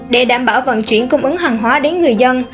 để đảm bảo vận chuyển cung ứng hàng hóa đến người dân